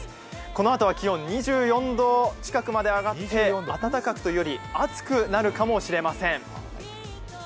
このあとは気温２４度近くまで上がって暖かくというより、暑くなるかもしれません。